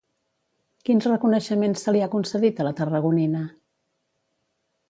Quins reconeixements se li ha concedit a la tarragonina?